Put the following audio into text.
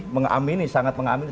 mengamini sangat mengamini